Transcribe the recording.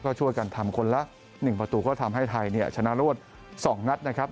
ก็ช่วยกันทำคนละ๑ประตูก็ทำให้ไทยเนี่ยชนะรวด๒นัดนะครับ